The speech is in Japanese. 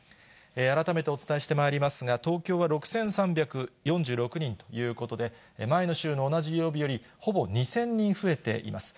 改めてお伝えしてまいりますが、東京は６３４６人ということで、前の週の同じ曜日よりほぼ２０００人増えています。